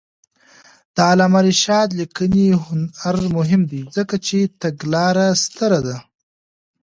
د علامه رشاد لیکنی هنر مهم دی ځکه چې تګلاره ستره ده.